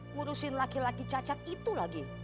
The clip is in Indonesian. ngurusin laki laki cacat itu lagi